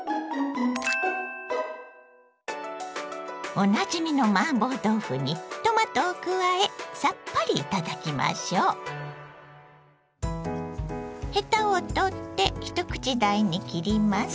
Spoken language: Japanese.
おなじみのマーボー豆腐にトマトを加えさっぱり頂きましょう。ヘタを取って一口大に切ります。